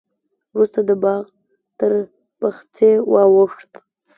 وروسته د باغ تر پخڅې واوښت.